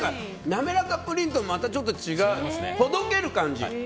なめらかプリンともまたちょっと違うほどける感じ。